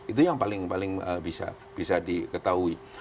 itu yang paling bisa diketahui